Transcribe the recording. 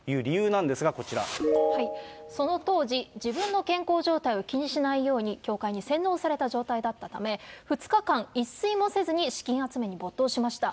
なんその当時、自分の健康状態を気にしないように、教会に洗脳された状態だったため、２日間、一睡もせずに資金集めに没頭しました。